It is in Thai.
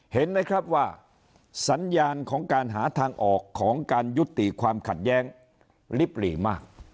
เห็นไหมครับว่าสัญญาณของการหาทางออกของการยุติความขัดแย้งลิบหลีมาก